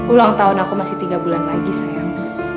ulang tahun aku masih tiga bulan lagi sayang